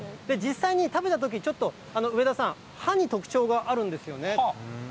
食べたときに、ちょっと上田さん、歯に特徴があるんですよね。